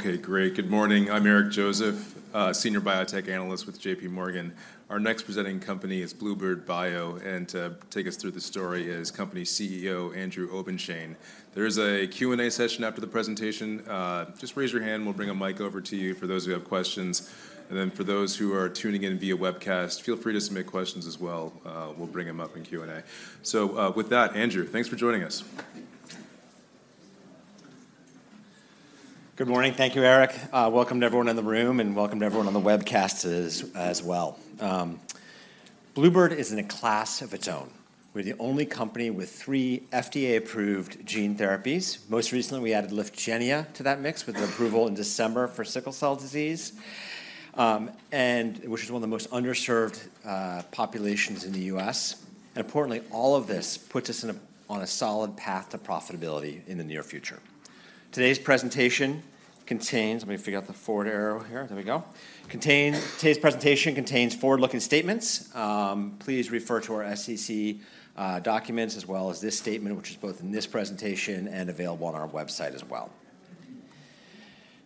Okay, great. Good morning. I'm Eric Joseph, Senior Biotech Analyst with J.P. Morgan. Our next presenting company is bluebird bio, and to take us through the story is company CEO, Andrew Obenshain. There is a Q&A session after the presentation. Just raise your hand, and we'll bring a mic over to you for those who have questions. Then for those who are tuning in via webcast, feel free to submit questions as well. We'll bring them up in Q&A. With that, Andrew, thanks for joining us. Good morning. Thank you, Eric. Welcome to everyone in the room, and welcome to everyone on the webcasts as well. bluebird bio is in a class of its own. We're the only company with three FDA-approved gene therapies. Most recently, we added Lyfgenia to that mix with an approval in December for sickle cell disease, and which is one of the most underserved populations in the U.S. And importantly, all of this puts us on a solid path to profitability in the near future. Today's presentation contains forward-looking statements. Please refer to our SEC documents, as well as this statement, which is both in this presentation and available on our website as well.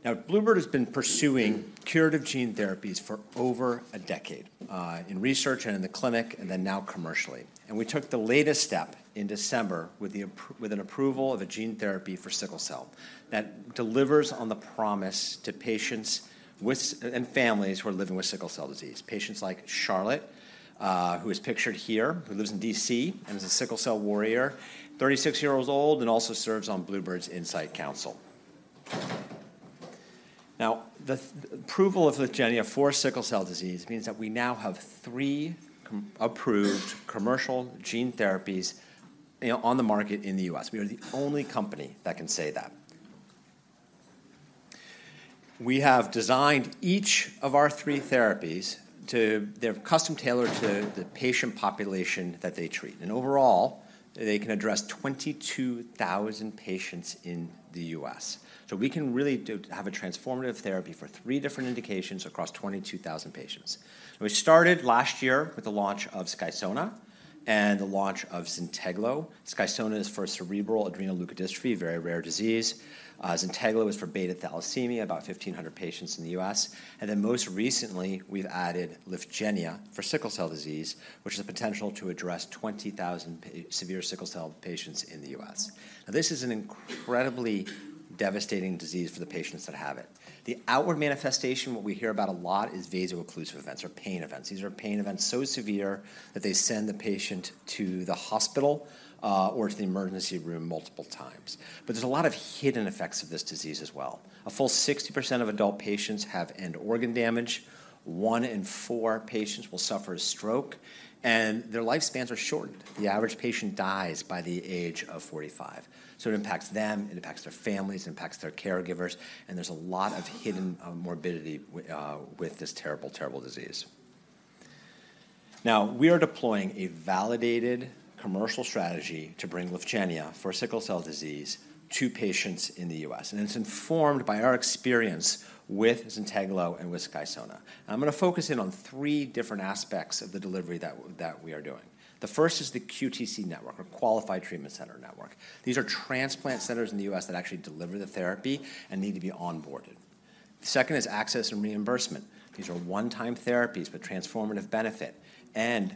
Now, Bluebird has been pursuing curative gene therapies for over a decade in research and in the clinic, and then now commercially. We took the latest step in December with an approval of a gene therapy for sickle cell that delivers on the promise to patients with, and families who are living with sickle cell disease. Patients like Charlotte, who is pictured here, who lives in D.C. and is a sickle cell warrior, 36 years old, and also serves on Bluebird's Insight Council. Now, the approval of Lyfgenia for sickle cell disease means that we now have three approved commercial gene therapies, you know, on the market in the U.S. We are the only company that can say that. We have designed each of our three therapies. They're custom-tailored to the patient population that they treat. Overall, they can address 22,000 patients in the U.S. We can really do have a transformative therapy for three different indications across 22,000 patients. We started last year with the launch of Skysona and the launch of Zynteglo. Skysona is for cerebral adrenoleukodystrophy, a very rare disease. Zynteglo is for beta thalassemia, about 1,500 patients in the U.S. And then most recently, we've added Lyfgenia for sickle cell disease, which has the potential to address 20,000 severe sickle cell patients in the U.S. Now, this is an incredibly devastating disease for the patients that have it. The outward manifestation, what we hear about a lot, is vaso-occlusive events or pain events. These are pain events so severe that they send the patient to the hospital, or to the emergency room multiple times. But there's a lot of hidden effects of this disease as well. A full 60% of adult patients have end organ damage. 1 in 4 patients will suffer a stroke, and their lifespans are shortened. The average patient dies by the age of 45. So it impacts them, it impacts their families, it impacts their caregivers, and there's a lot of hidden morbidity with this terrible, terrible disease. Now, we are deploying a validated commercial strategy to bring Lyfgenia for sickle cell disease to patients in the U.S., and it's informed by our experience with Zynteglo and with Skysona. I'm gonna focus in on three different aspects of the delivery that we are doing. The first is the QTC network or Qualified Treatment Center network. These are transplant centers in the U.S. that actually deliver the therapy and need to be onboarded. The second is access and reimbursement. These are one-time therapies with transformative benefit, and,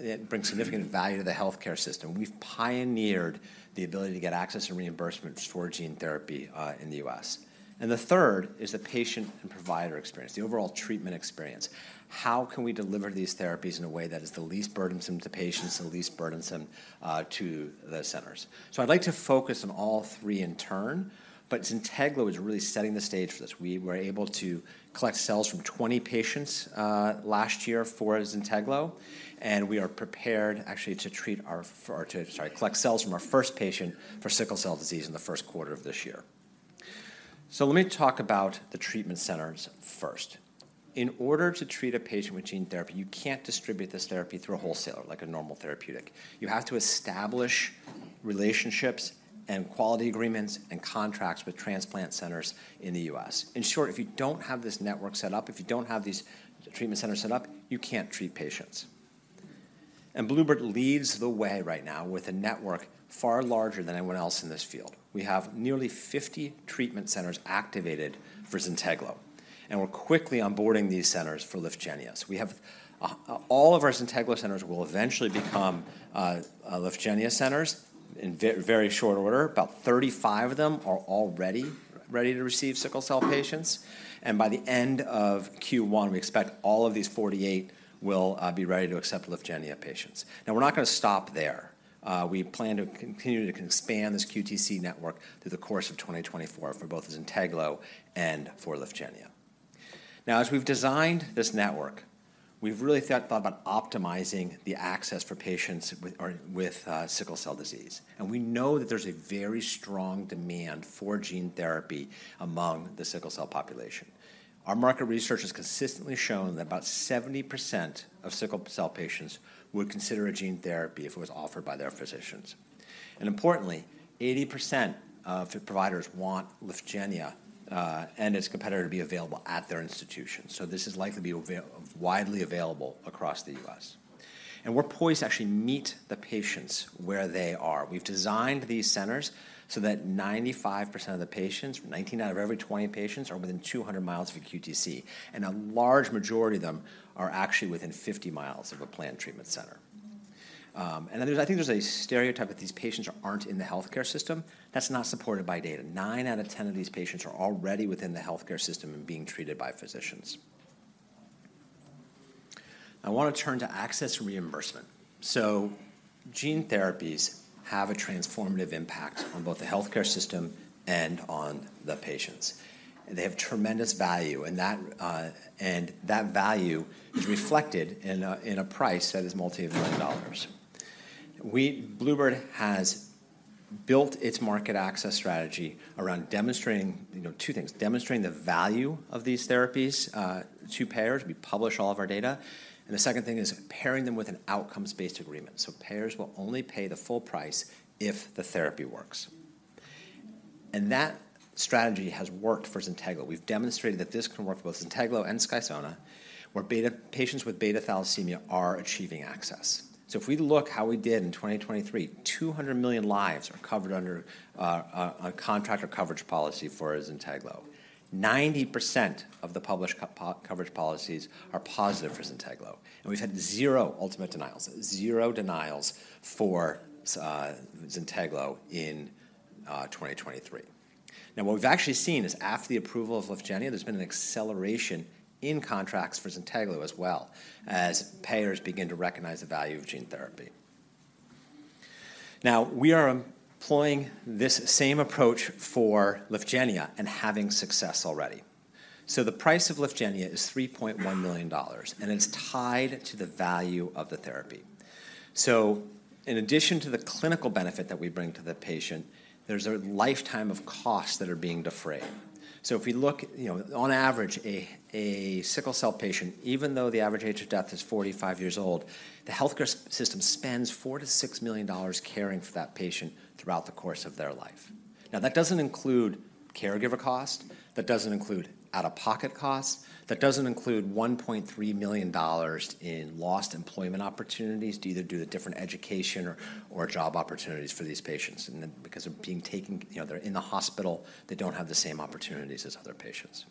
it brings significant value to the healthcare system. We've pioneered the ability to get access and reimbursement for gene therapy, in the U.S. And the third is the patient and provider experience, the overall treatment experience. How can we deliver these therapies in a way that is the least burdensome to patients and the least burdensome, to the centers? So I'd like to focus on all three in turn, but Zynteglo is really setting the stage for this. We were able to collect cells from 20 patients last year for Zynteglo, and we are prepared actually to collect cells from our first patient for sickle cell disease in the first quarter of this year. So let me talk about the treatment centers first. In order to treat a patient with gene therapy, you can't distribute this therapy through a wholesaler like a normal therapeutic. You have to establish relationships and quality agreements and contracts with transplant centers in the U.S. In short, if you don't have this network set up, if you don't have these treatment centers set up, you can't treat patients. Bluebird leads the way right now with a network far larger than anyone else in this field. We have nearly 50 treatment centers activated for Zynteglo, and we're quickly onboarding these centers for Lyfgenia. We have all of our Zynteglo centers will eventually become Lyfgenia centers in very short order. About 35 of them are already ready to receive sickle cell patients, and by the end of Q1, we expect all of these 48 will be ready to accept Lyfgenia patients. Now, we're not gonna stop there. We plan to continue to expand this QTC network through the course of 2024 for both Zynteglo and for Lyfgenia. Now, as we've designed this network, we've really thought about optimizing the access for patients with sickle cell disease, and we know that there's a very strong demand for gene therapy among the sickle cell population. Our market research has consistently shown that about 70% of sickle cell patients would consider a gene therapy if it was offered by their physicians. And importantly, 80% of providers want Lyfgenia and its competitor to be available at their institution, so this is likely to be widely available across the U.S. And we're poised to actually meet the patients where they are. We've designed these centers so that 95% of the patients, 19 out of every 20 patients, are within 200 miles of a QTC, and a large majority of them are actually within 50 miles of a planned treatment center. There's, I think, a stereotype that these patients aren't in the healthcare system. That's not supported by data. 9 out of 10 of these patients are already within the healthcare system and being treated by physicians. I want to turn to access and reimbursement. Gene therapies have a transformative impact on both the healthcare system and on the patients. They have tremendous value, and that value is reflected in a $ multimillion price. bluebird has built its market access strategy around demonstrating, you know, two things: demonstrating the value of these therapies to payers, we publish all of our data, and the second thing is pairing them with an outcomes-based agreement. So payers will only pay the full price if the therapy works. And that strategy has worked for Zynteglo. We've demonstrated that this can work for both Zynteglo and Skysona, where patients with beta thalassemia are achieving access. So if we look how we did in 2023, 200 million lives are covered under a contract or coverage policy for Zynteglo. 90% of the published coverage policies are positive for Zynteglo, and we've had zero ultimate denials, zero denials for Zynteglo in 2023. Now, what we've actually seen is after the approval of Lyfgenia, there's been an acceleration in contracts for Zynteglo as well, as payers begin to recognize the value of gene therapy. Now, we are employing this same approach for Lyfgenia and having success already. So the price of Lyfgenia is $3.1 million, and it's tied to the value of the therapy. So in addition to the clinical benefit that we bring to the patient, there's a lifetime of costs that are being defrayed. So if we look, you know, on average, a sickle cell patient, even though the average age of death is 45 years old, the healthcare system spends $4 million-$6 million caring for that patient throughout the course of their life. Now, that doesn't include caregiver cost, that doesn't include out-of-pocket costs, that doesn't include $1.3 million in lost employment opportunities to either do the different education or job opportunities for these patients. And then because of being taken, you know, they're in the hospital, they don't have the same opportunities as other patients.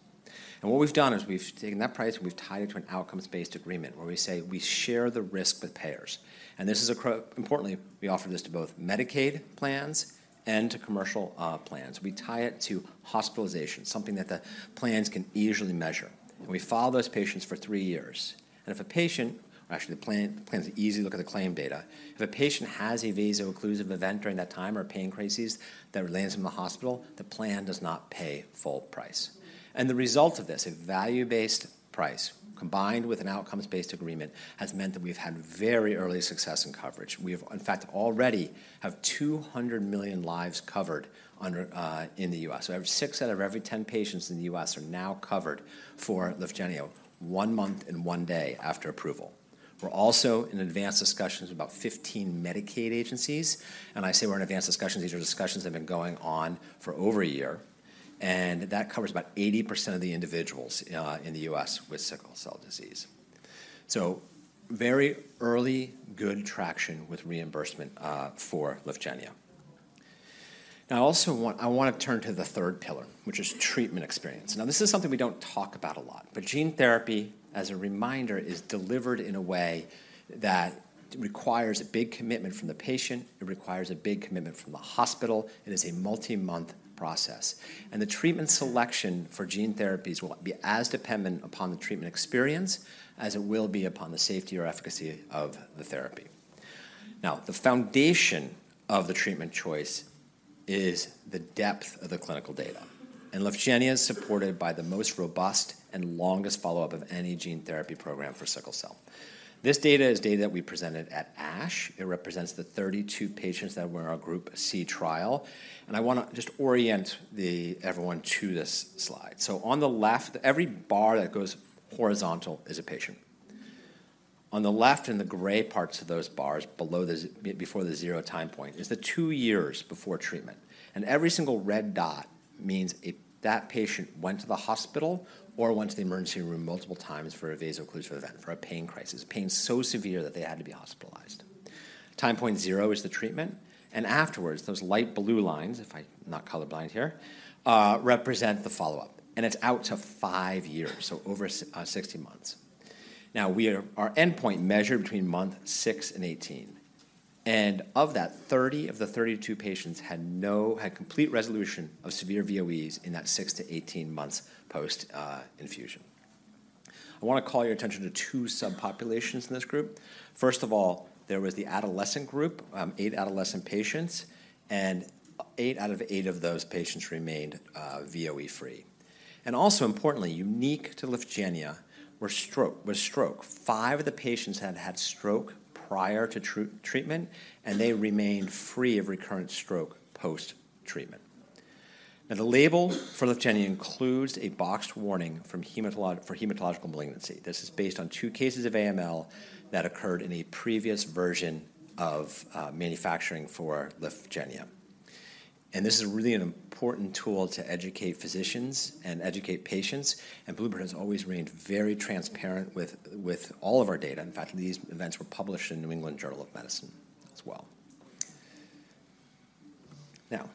And what we've done is we've taken that price, and we've tied it to an outcomes-based agreement, where we say we share the risk with payers. And this is across, importantly, we offer this to both Medicaid plans and to commercial plans. We tie it to hospitalization, something that the plans can easily measure. And we follow those patients for three years. And if a patient, or actually, the plan, the plans easily look at the claim data. If a patient has a vaso-occlusive event during that time or pain crises that lands them in the hospital, the plan does not pay full price. The result of this, a value-based price, combined with an outcomes-based agreement, has meant that we've had very early success in coverage. We have, in fact, already 200 million lives covered under, in the US. Every six out of every 10 patients in the US are now covered for Lyfgenia, one month and one day after approval. We're also in advanced discussions with about 15 Medicaid agencies, and I say we're in advanced discussions, these are discussions that have been going on for over a year, and that covers about 80% of the individuals, in the US with sickle cell disease. Very early, good traction with reimbursement, for Lyfgenia. Now, I also want—I want to turn to the third pillar, which is treatment experience. Now, this is something we don't talk about a lot, but gene therapy, as a reminder, is delivered in a way that requires a big commitment from the patient, it requires a big commitment from the hospital, it is a multi-month process. And the treatment selection for gene therapies will be as dependent upon the treatment experience as it will be upon the safety or efficacy of the therapy. Now, the foundation of the treatment choice is the depth of the clinical data, and Lyfgenia is supported by the most robust and longest follow-up of any gene therapy program for sickle cell. This data is data that we presented at ASH. It represents the 32 patients that were in our Group C trial, and I want to just orient the—everyone to this slide. So on the left, every bar that goes horizontal is a patient. On the left, in the gray parts of those bars, below the before the zero time point, is the two years before treatment. And every single red dot means that patient went to the hospital or went to the emergency room multiple times for a vaso-occlusive event, for a pain crisis, pain so severe that they had to be hospitalized. Time point zero is the treatment, and afterwards, those light blue lines, if I'm not color blind here, represent the follow-up, and it's out to five years, so over 60 months. Now, our endpoint measured between month 6 and 18, and of that, 30 of the 32 patients had complete resolution of severe VOEs in that 6-18 months post infusion. I want to call your attention to two subpopulations in this group. First of all, there was the adolescent group, 8 adolescent patients, and 8 out of 8 of those patients remained VOE free. And also, importantly, unique to Lyfgenia, were strokes. 5 of the patients had had stroke prior to treatment, and they remained free of recurrent stroke post-treatment. Now, the label for Lyfgenia includes a boxed warning for hematological malignancy. This is based on 2 cases of AML that occurred in a previous version of manufacturing for Lyfgenia. And this is really an important tool to educate physicians and educate patients, and bluebird has always remained very transparent with, with all of our data. In fact, these events were published in New England Journal of Medicine as well. Now,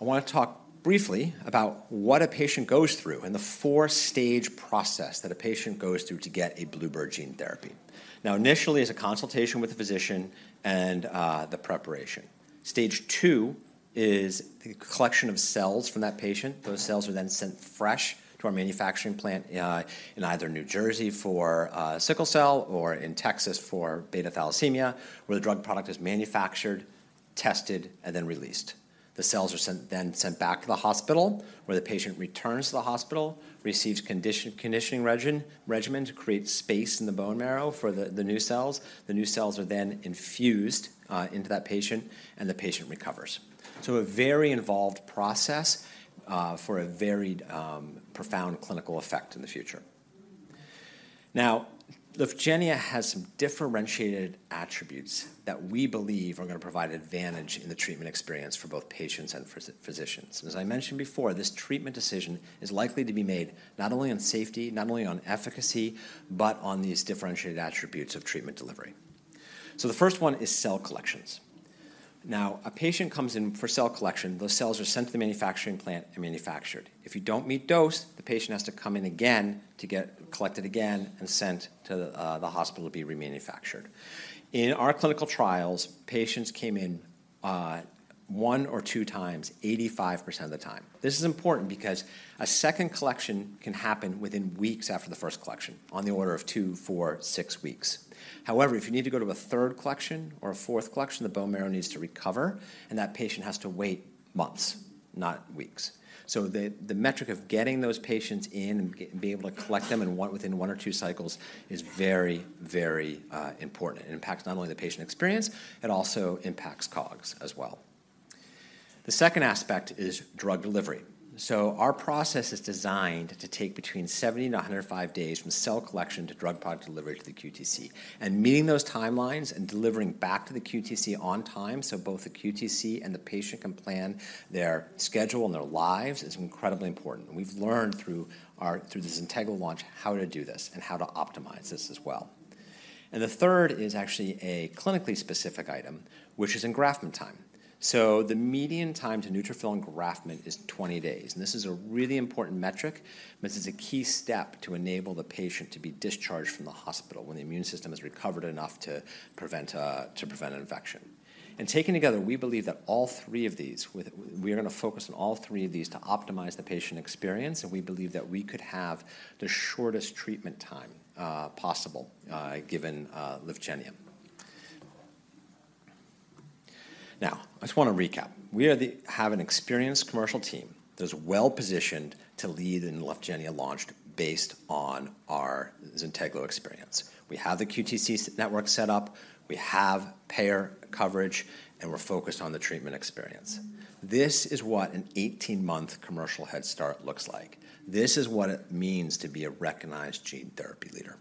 I want to talk briefly about what a patient goes through, and the four-stage process that a patient goes through to get a bluebird gene therapy. Now, initially, it's a consultation with the physician and the preparation. Stage two is the collection of cells from that patient. Those cells are then sent fresh to our manufacturing plant in either New Jersey for sickle cell or in Texas for beta thalassemia, where the drug product is manufactured, tested, and then released. The cells are then sent back to the hospital, where the patient returns to the hospital, receives conditioning regimen to create space in the bone marrow for the new cells. The new cells are then infused into that patient, and the patient recovers. So a very involved process for a very profound clinical effect in the future. Now, Lyfgenia has some differentiated attributes that we believe are going to provide advantage in the treatment experience for both patients and for physicians. As I mentioned before, this treatment decision is likely to be made not only on safety, not only on efficacy, but on these differentiated attributes of treatment delivery. So the first one is cell collections. Now, a patient comes in for cell collection. Those cells are sent to the manufacturing plant and manufactured. If you don't meet dose, the patient has to come in again to get collected again and sent to the hospital to be remanufactured. In our clinical trials, patients came in, one or two times, 85% of the time. This is important because a second collection can happen within weeks after the first collection, on the order of two, four, six weeks. However, if you need to go to a third collection or a fourth collection, the bone marrow needs to recover, and that patient has to wait months, not weeks. So the metric of getting those patients in and being able to collect them within one or two cycles is very, very important. It impacts not only the patient experience, it also impacts COGS as well. The second aspect is drug delivery. So our process is designed to take between 70-105 days from cell collection to drug product delivery to the QTC. And meeting those timelines and delivering back to the QTC on time, so both the QTC and the patient can plan their schedule and their lives, is incredibly important. We've learned through the Zynteglo launch how to do this and how to optimize this as well. And the third is actually a clinically specific item, which is engraftment time. So the median time to neutrophil engraftment is 20 days, and this is a really important metric. This is a key step to enable the patient to be discharged from the hospital when the immune system has recovered enough to prevent infection. And taken together, we believe that all three of these; we are going to focus on all three of these to optimize the patient experience, and we believe that we could have the shortest treatment time possible given Lyfgenia. Now, I just want to recap. We have an experienced commercial team that's well-positioned to lead in Lyfgenia launch based on our Zynteglo experience. We have the QTCs network set up, we have payer coverage, and we're focused on the treatment experience. This is what an 18-month commercial head start looks like. This is what it means to be a recognized gene therapy leader.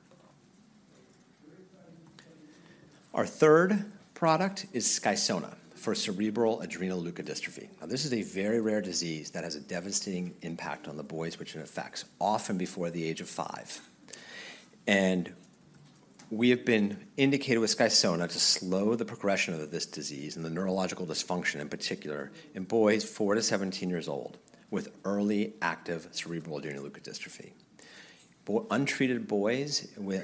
Our third product is Skysona for cerebral adrenoleukodystrophy. Now, this is a very rare disease that has a devastating impact on the boys, which it affects often before the age of 5. And we have been indicated with Skysona to slow the progression of this disease and the neurological dysfunction, in particular, in boys 4 to 17 years old with early active cerebral adrenoleukodystrophy. Untreated boys with,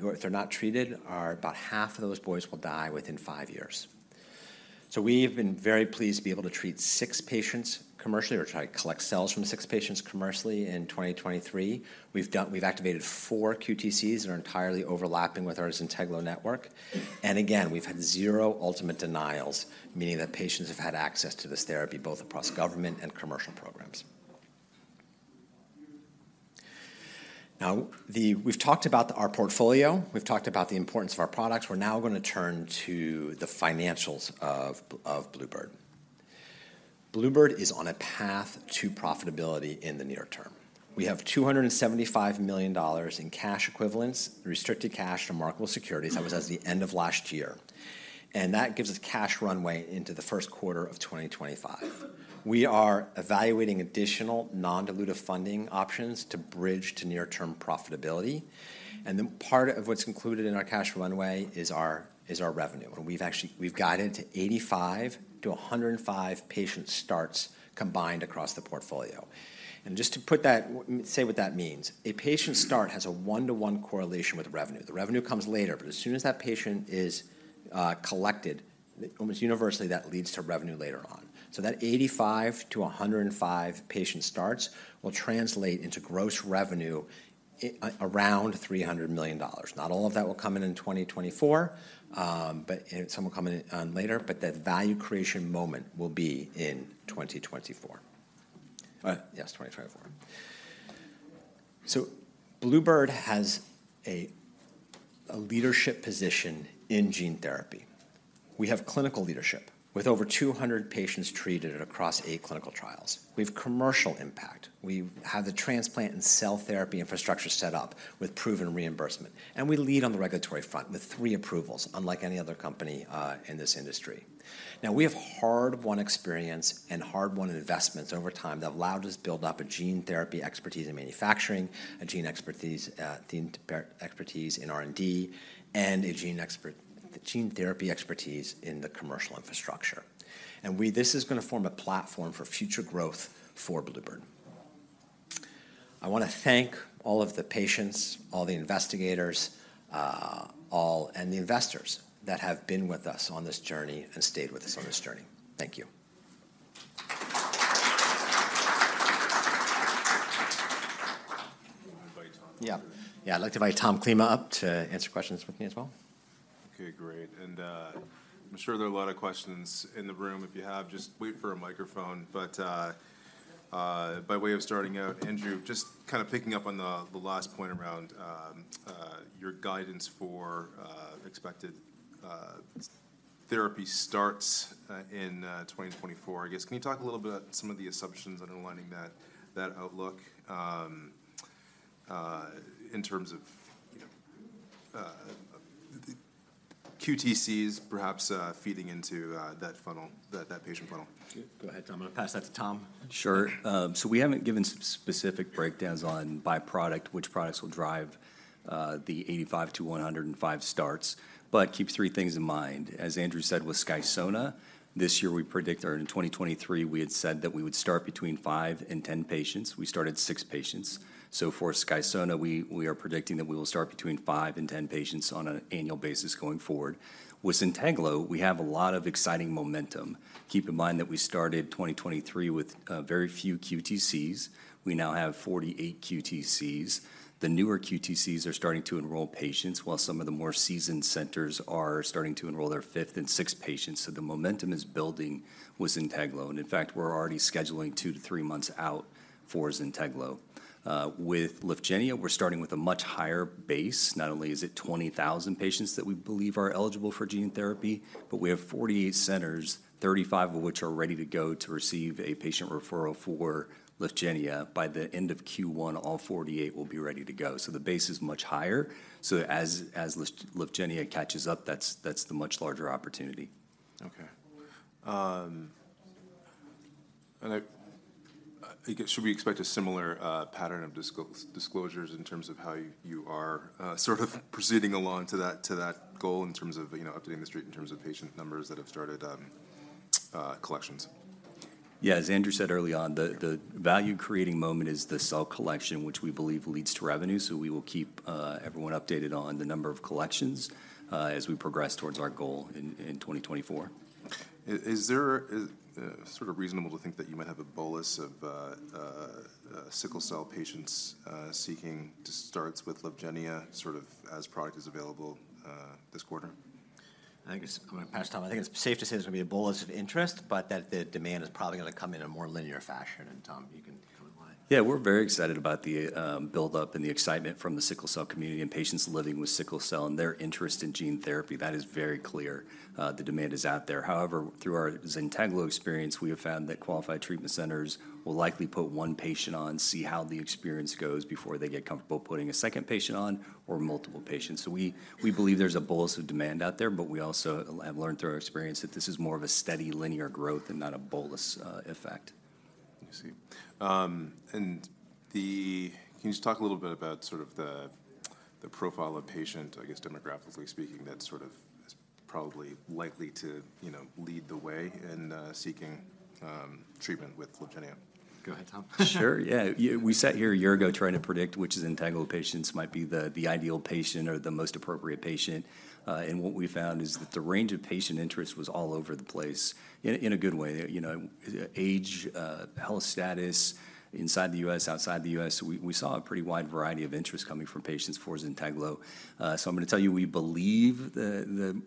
if they're not treated, are about half of those boys will die within 5 years. So we've been very pleased to be able to treat 6 patients commercially, or try to collect cells from 6 patients commercially in 2023. We've done-- we've activated 4 QTCs that are entirely overlapping with our Zynteglo network. And again, we've had zero ultimate denials, meaning that patients have had access to this therapy both across government and commercial programs. Now, we've talked about our portfolio, we've talked about the importance of our products. We're now going to turn to the financials of bluebird bio. bluebird bio is on a path to profitability in the near term. We have $275 million in cash equivalents, restricted cash to marketable securities. That was as of the end of last year, and that gives us cash runway into the first quarter of 2025. We are evaluating additional non-dilutive funding options to bridge to near-term profitability. And then part of what's included in our cash runway is our revenue, and we've actually guided to 85-105 patient starts combined across the portfolio. Just to put that, say what that means, a patient start has a one-to-one correlation with revenue. The revenue comes later, but as soon as that patient is collected, almost universally, that leads to revenue later on. So that 85-105 patient starts will translate into gross revenue around $300 million. Not all of that will come in in 2024, but some will come in later, but that value creation moment will be in 2024. Yes, 2024. So Bluebird has a leadership position in gene therapy. We have clinical leadership with over 200 patients treated across eight clinical trials. We've commercial impact. We have the transplant and cell therapy infrastructure set up with proven reimbursement, and we lead on the regulatory front with 3 approvals, unlike any other company in this industry. Now, we have hard-won experience and hard-won investments over time that allowed us to build up a gene therapy expertise in manufacturing, a gene expertise, gene therapy expertise in R&D, and a gene therapy expertise in the commercial infrastructure. This is going to form a platform for future growth for bluebird bio. I want to thank all of the patients, all the investigators, and the investors that have been with us on this journey and stayed with us on this journey. Thank you. You want to invite Tom up here? Yeah. Yeah, I'd like to invite Tom Klima up to answer questions with me as well. Okay, great. And, I'm sure there are a lot of questions in the room. If you have, just wait for a microphone. But, by way of starting out, Andrew, just kind of picking up on the last point around your guidance for expected therapy starts in 2024, I guess. Can you talk a little bit about some of the assumptions underlying that outlook in terms of, you know, the QTCs perhaps feeding into that funnel, that patient funnel? Okay. Go ahead, Tom. I'm going to pass that to Tom. Sure. So we haven't given specific breakdowns on by product, which products will drive the 85-105 starts, but keep three things in mind. As Andrew said with Skysona, this year we predict, or in 2023, we had said that we would start between 5 and 10 patients. We started 6 patients. So for Skysona, we are predicting that we will start between 5 and 10 patients on an annual basis going forward. With Zynteglo, we have a lot of exciting momentum. Keep in mind that we started 2023 with very few QTCs. We now have 48 QTCs. The newer QTCs are starting to enroll patients, while some of the more seasoned centers are starting to enroll their fifth and sixth patients, so the momentum is building with Zynteglo. In fact, we're already scheduling 2-3 months out for Zynteglo. With Lyfgenia, we're starting with a much higher base. Not only is it 20,000 patients that we believe are eligible for gene therapy, but we have 48 centers, 35 of which are ready to go to receive a patient referral for Lyfgenia. By the end of Q1, all 48 will be ready to go. The base is much higher, so as Lyfgenia catches up, that's the much larger opportunity. Okay. And should we expect a similar pattern of disclosures in terms of how you, you are sort of proceeding along to that, to that goal in terms of, you know, updating the street in terms of patient numbers that have started collections? Yeah, as Andrew said early on, the value-creating moment is the cell collection, which we believe leads to revenue, so we will keep everyone updated on the number of collections, as we progress towards our goal in 2024. Is it sort of reasonable to think that you might have a bolus of sickle cell patients seeking to start with Lyfgenia, sort of as the product is available this quarter? I think it's. I'm gonna pass to Tom. I think it's safe to say there's gonna be a bolus of interest, but that the demand is probably gonna come in a more linear fashion. Tom, you can comment why. Yeah, we're very excited about the build-up and the excitement from the sickle cell community and patients living with sickle cell and their interest in gene therapy. That is very clear. The demand is out there. However, through our Zynteglo experience, we have found that qualified treatment centers will likely put one patient on, see how the experience goes before they get comfortable putting a second patient on or multiple patients. So we, we believe there's a bolus of demand out there, but we also have learned through our experience that this is more of a steady, linear growth and not a bolus effect. I see. Can you just talk a little bit about sort of the profile of patient, I guess, demographically speaking, that's sort of is probably likely to, you know, lead the way in seeking treatment with Lyfgenia? Go ahead, Tom. Sure, yeah. Yeah, we sat here a year ago trying to predict which Zynteglo patients might be the ideal patient or the most appropriate patient, and what we found is that the range of patient interest was all over the place, in a good way. You know, age, health status, inside the U.S., outside the U.S., we saw a pretty wide variety of interest coming from patients for Zynteglo. So I'm gonna tell you, we believe the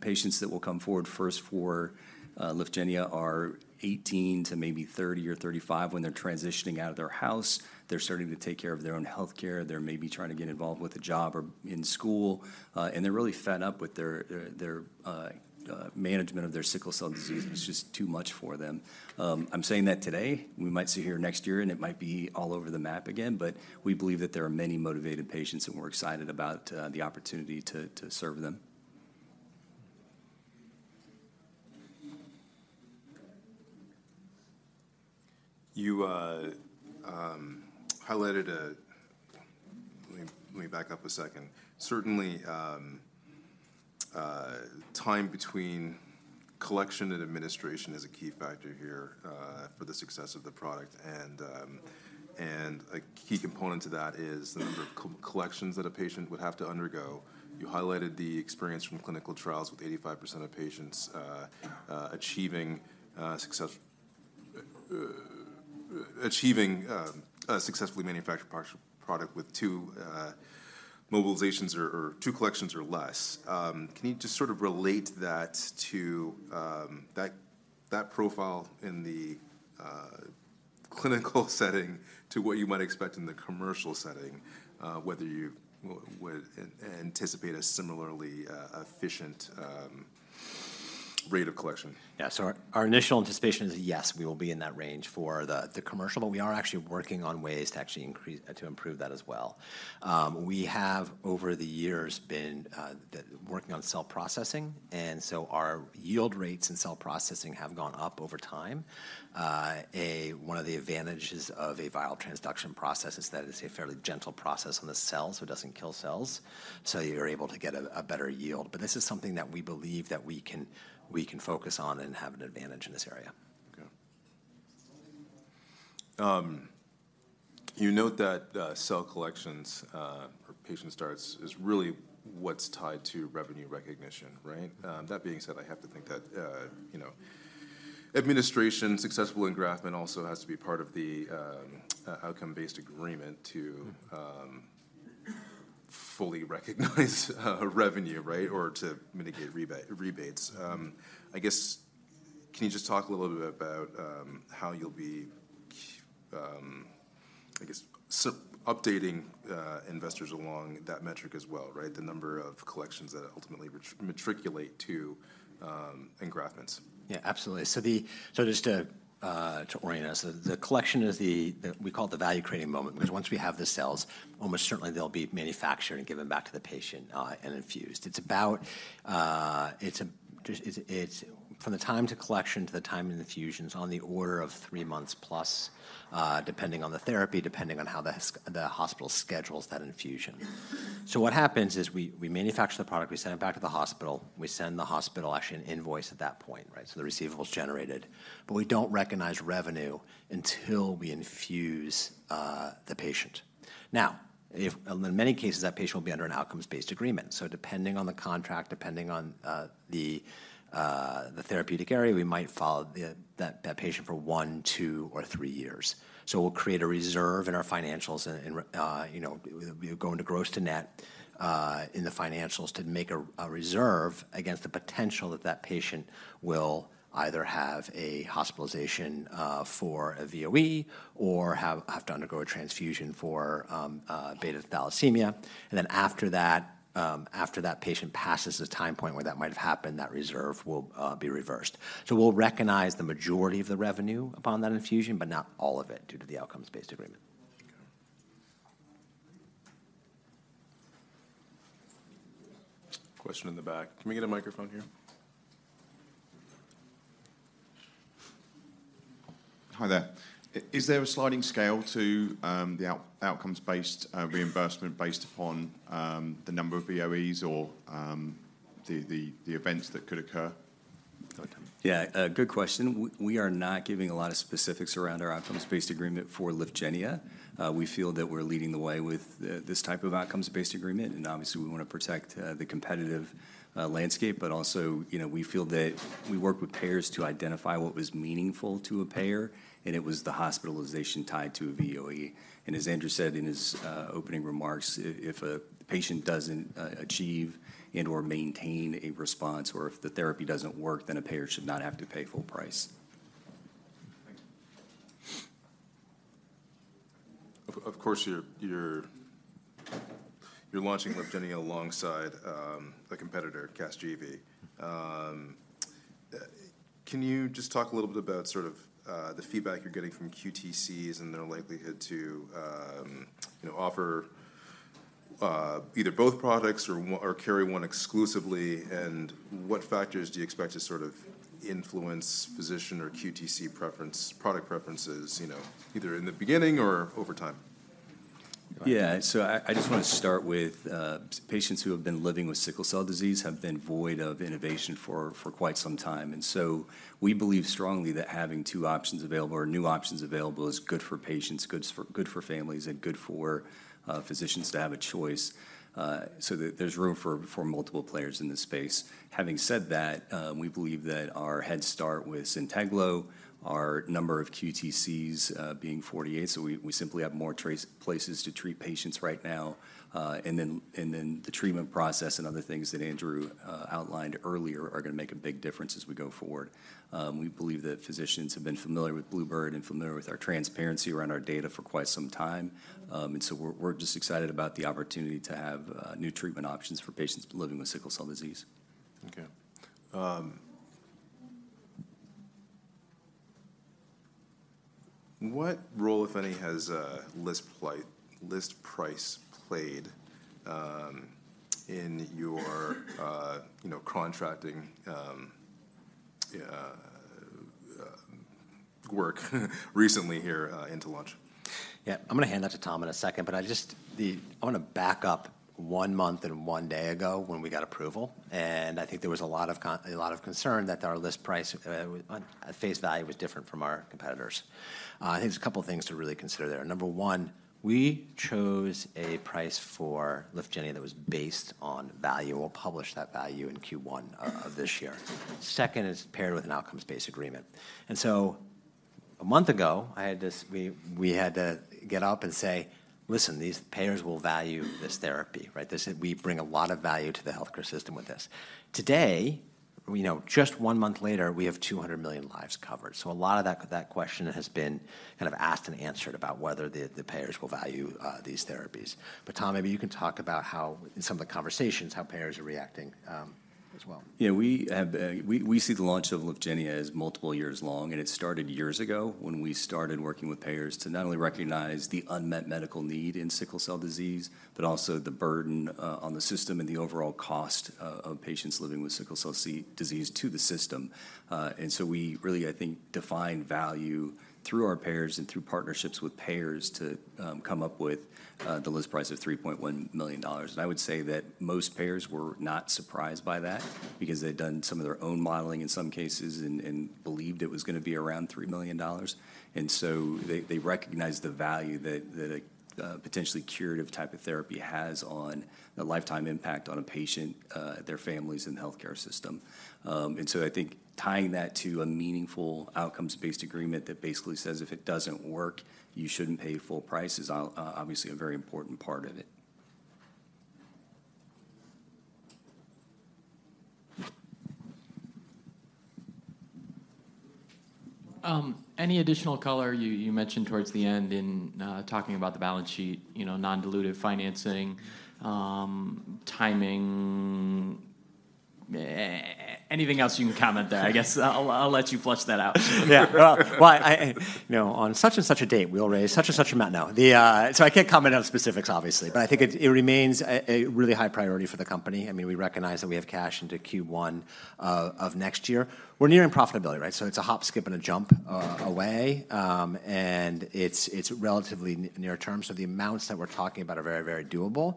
patients that will come forward first for Lyfgenia are 18 to maybe 30 or 35 when they're transitioning out of their house. They're starting to take care of their own healthcare. They're maybe trying to get involved with a job or in school, and they're really fed up with their management of their sickle cell disease. It's just too much for them. I'm saying that today. We might sit here next year, and it might be all over the map again, but we believe that there are many motivated patients, and we're excited about the opportunity to, to serve them. You highlighted... Let me back up a second. Certainly, time between collection and administration is a key factor here, for the success of the product, and a key component to that is the number of collections that a patient would have to undergo. You highlighted the experience from clinical trials with 85% of patients achieving a successfully manufactured product with two mobilizations or two collections or less. Can you just sort of relate that to that profile in the clinical setting to what you might expect in the commercial setting, whether you would anticipate a similarly efficient rate of collection? Yeah. So our initial anticipation is, yes, we will be in that range for the commercial, but we are actually working on ways to actually increase to improve that as well. We have, over the years, been working on cell processing, and so our yield rates in cell processing have gone up over time. One of the advantages of a viral transduction process is that it's a fairly gentle process on the cells. It doesn't kill cells, so you're able to get a better yield. But this is something that we believe that we can focus on and have an advantage in this area. You note that cell collections or patient starts is really what's tied to revenue recognition, right? That being said, I have to think that, you know, administration, successful engraftment also has to be part of the outcomes-based agreement to fully recognize a revenue, right, or to mitigate rebates. I guess, can you just talk a little bit about how you'll be, I guess, so updating investors along that metric as well, right? The number of collections that ultimately matriculate to engraftments. Yeah, absolutely. So just to orient us, the collection is the-- we call it the value-creating moment, because once we have the cells, almost certainly they'll be manufactured and given back to the patient, and infused. It's about, it's from the time to collection to the time and infusions on the order of three months plus, depending on the therapy, depending on how the hospital schedules that infusion. So what happens is we manufacture the product, we send it back to the hospital, we send the hospital actually an invoice at that point, right? So the receivable's generated, but we don't recognize revenue until we infuse the patient. Now, in many cases, that patient will be under an outcomes-based agreement. So depending on the contract, depending on the therapeutic area, we might follow that patient for one, two, or three years. So we'll create a reserve in our financials and, you know, we'll go into gross-to-net in the financials to make a reserve against the potential that that patient will either have a hospitalization for a VOE or have to undergo a transfusion for beta thalassemia. And then after that, after that patient passes the time point where that might have happened, that reserve will be reversed. So we'll recognize the majority of the revenue upon that infusion, but not all of it, due to the outcomes-based agreement. Okay. Question in the back. Can we get a microphone here? Hi there. Is there a sliding scale to the outcomes-based reimbursement based upon the number of VOEs or the events that could occur? Go ahead, Tom. Yeah, good question. We are not giving a lot of specifics around our outcomes-based agreement for Lyfgenia. We feel that we're leading the way with this type of outcomes-based agreement, and obviously, we want to protect the competitive landscape. But also, you know, we feel that we work with payers to identify what was meaningful to a payer, and it was the hospitalization tied to a VOE. And as Andrew said in his opening remarks, if a patient doesn't achieve and/or maintain a response, or if the therapy doesn't work, then a payer should not have to pay full price. Thank you. Of course, you're launching Lyfgenia alongside a competitor, Casgevy. Can you just talk a little bit about sort of the feedback you're getting from QTCs and their likelihood to, you know, offer either both products or carry one exclusively? And what factors do you expect to sort of influence physician or QTC preference, product preferences, you know, either in the beginning or over time? Yeah, so I just want to start with patients who have been living with Sickle Cell Disease have been void of innovation for quite some time. And so we believe strongly that having two options available or new options available is good for patients, good for families, and good for physicians to have a choice, so that there's room for multiple players in this space. Having said that, we believe that our head start with Zynteglo, our number of QTCs being 48, so we simply have more treatment places to treat patients right now. And then the treatment process and other things that Andrew outlined earlier are gonna make a big difference as we go forward. We believe that physicians have been familiar with bluebird and familiar with our transparency around our data for quite some time. And so we're just excited about the opportunity to have new treatment options for patients living with sickle cell disease. Okay. What role, if any, has list price played in your, you know, contracting work recently here into launch? Yeah, I'm gonna hand that to Tom in a second, but I just I wanna back up one month and one day ago when we got approval, and I think there was a lot of concern that our list price on face value was different from our competitors. I think there's a couple of things to really consider there. Number one, we chose a price for Lyfgenia that was based on value. We'll publish that value in Q1 of this year. Second, is paired with an outcomes-based agreement. And so a month ago, we had to get up and say: "Listen, these payers will value this therapy," right? "We bring a lot of value to the healthcare system with this." Today, you know, just one month later, we have 200 million lives covered. So a lot of that question has been kind of asked and answered about whether the payers will value these therapies. But, Tom, maybe you can talk about how in some of the conversations payers are reacting as well. Yeah, we have, we see the launch of Lyfgenia as multiple years long, and it started years ago when we started working with payers to not only recognize the unmet medical need in sickle cell disease, but also the burden on the system and the overall cost of patients living with sickle cell disease to the system. And so we really, I think, defined value through our payers and through partnerships with payers to come up with the list price of $3.1 million. And I would say that most payers were not surprised by that because they'd done some of their own modeling in some cases and believed it was gonna be around $3 million. And so they recognized the value that a potentially curative type of therapy has on the lifetime impact on a patient, their families, and the healthcare system. And so I think tying that to a meaningful outcomes-based agreement that basically says if it doesn't work, you shouldn't pay full price, is obviously a very important part of it. Any additional color you mentioned towards the end in talking about the balance sheet, you know, non-dilutive financing, timing, anything else you can comment there? I guess I'll let you flesh that out. Yeah. Well, you know, on such and such a date, we'll raise such and such amount. No, the... So I can't comment on specifics, obviously. Yeah. But I think it remains a really high priority for the company. I mean, we recognize that we have cash into Q1 of next year. We're nearing profitability, right? So it's a hop, skip, and a jump away, and it's relatively near term. So the amounts that we're talking about are very, very doable.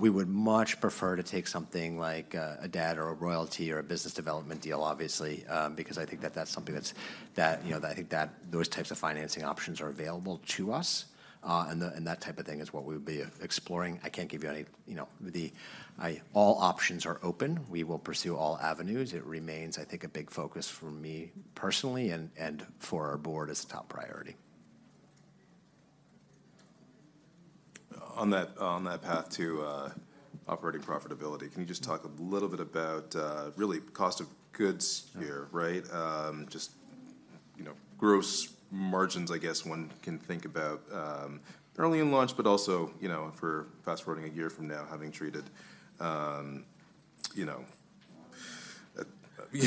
We would much prefer to take something like a debt or a royalty or a business development deal, obviously, because I think that that's something that's, you know, I think that those types of financing options are available to us. And that type of thing is what we'll be exploring. I can't give you any, you know, the... I all options are open. We will pursue all avenues. It remains, I think, a big focus for me personally, and for our board. It's a top priority. On that path to operating profitability, can you just talk a little bit about really cost of goods here, right? Just, you know, gross margins, I guess one can think about early in launch, but also, you know, for fast-forwarding a year from now, having treated, you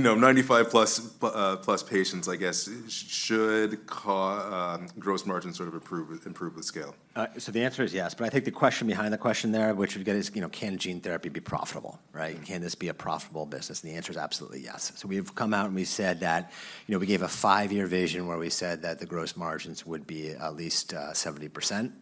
know, 95 plus patients, I guess, should gross margin sort of improve with scale? So the answer is yes. But I think the question behind the question there, which we get is, you know, can gene therapy be profitable, right? Mm-hmm. Can this be a profitable business? The answer is absolutely yes. So we've come out, and we said that, you know, we gave a 5-year vision where we said that the gross margins would be at least 70%.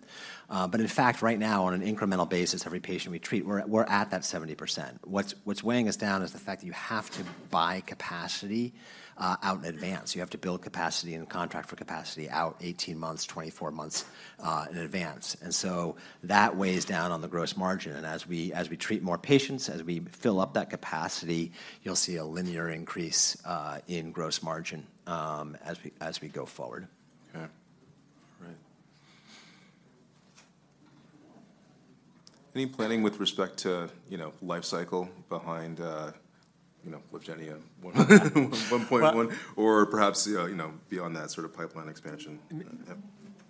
But in fact, right now, on an incremental basis, every patient we treat, we're at that 70%. What's weighing us down is the fact that you have to buy capacity out in advance. You have to build capacity and contract for capacity out 18 months, 24 months in advance. And so that weighs down on the gross margin, and as we treat more patients, as we fill up that capacity, you'll see a linear increase in gross margin as we go forward. Okay. All right. Any planning with respect to, you know, life cycle behind, you know, Lyfgenia 1.1, or perhaps, you know, beyond that sort of pipeline expansion?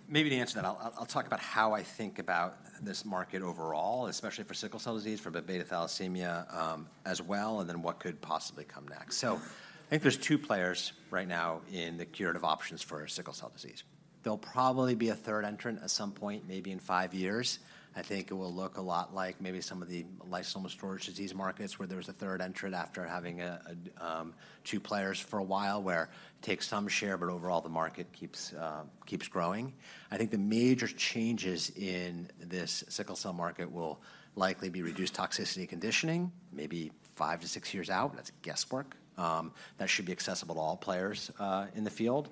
Maybe to answer that, I'll talk about how I think about this market overall, especially for sickle cell disease, for beta thalassemia, as well, and then what could possibly come next. So I think there's 2 players right now in the curative options for sickle cell disease. There'll probably be a third entrant at some point, maybe in 5 years. I think it will look a lot like maybe some of the lysosomal storage disease markets, where there was a third entrant after having 2 players for a while, where it takes some share, but overall, the market keeps growing. I think the major changes in this sickle cell market will likely be reduced toxicity conditioning, maybe 5-6 years out, and that's guesswork. That should be accessible to all players in the field.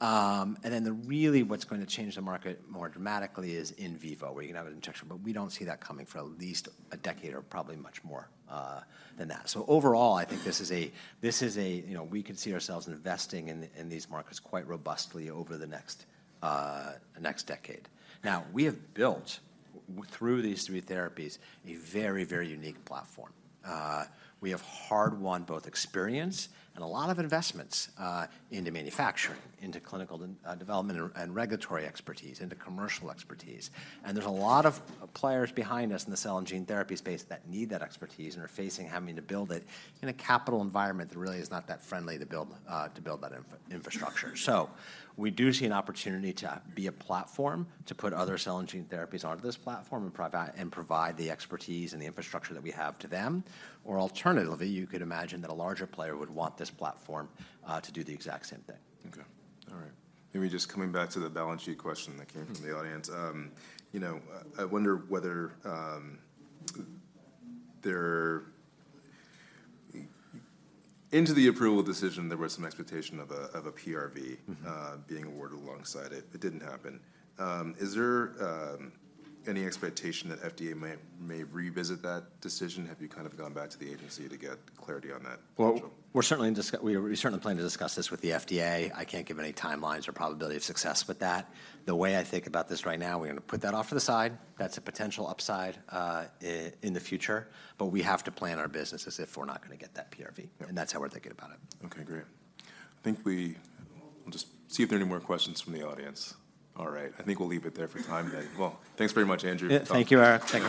And then the really what's going to change the market more dramatically is in vivo, where you can have an injection, but we don't see that coming for at least a decade, or probably much more than that. So overall, I think this is a you know, we could see ourselves investing in these markets quite robustly over the next decade. Now, we have built, through these three therapies, a very, very unique platform. We have hard-won both experience and a lot of investments into manufacturing, into clinical development and regulatory expertise, into commercial expertise. There's a lot of players behind us in the cell and gene therapy space that need that expertise and are facing having to build it in a capital environment that really is not that friendly to build infrastructure. So we do see an opportunity to be a platform, to put other cell and gene therapies onto this platform, and provide the expertise and the infrastructure that we have to them. Or alternatively, you could imagine that a larger player would want this platform to do the exact same thing. Okay. All right. Maybe just coming back to the balance sheet question that came from the audience. You know, I wonder whether into the approval decision, there was some expectation of a PRV- Mm-hmm... being awarded alongside it. It didn't happen. Is there any expectation that FDA may revisit that decision? Have you kind of gone back to the agency to get clarity on that potential? Well, we're certainly planning to discuss this with the FDA. I can't give any timelines or probability of success with that. The way I think about this right now, we're going to put that off to the side. That's a potential upside in the future, but we have to plan our business as if we're not going to get that PRV. Yeah. That's how we're thinking about it. Okay, great. I think I'll just see if there are any more questions from the audience. All right, I think we'll leave it there for time then. Well, thanks very much, Andrew. Yeah. Thank you, Eric. Thank you.